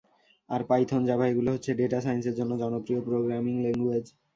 আর, Python, Java এগুলো হচ্ছে data সাইন্সের জন্য জনপ্রিয় প্রোগ্রামিং ল্যাংগুয়েজ।